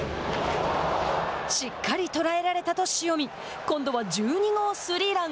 しっかり捉えられたと塩見今度は１２号スリーラン。